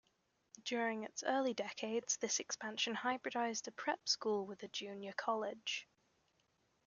During its early decades, this expansion hybridized a prep school with a junior college.